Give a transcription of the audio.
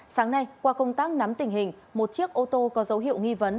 sáng nay qua công tác nắm tình hình một chiếc ô tô có dấu hiệu nghi vấn